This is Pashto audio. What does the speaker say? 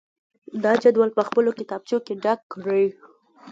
د جدول په خپلو کتابچو کې ډک کړئ.